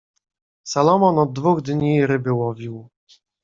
"Salomon od dwóch dni ryby łowił."